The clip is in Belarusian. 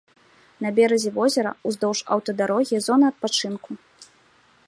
На беразе возера ўздоўж аўтадарогі зона адпачынку.